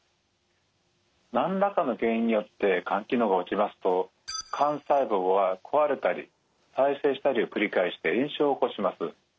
何らかの原因によって肝機能が落ちますと肝細胞は壊れたり再生したりを繰り返して炎症を起こします。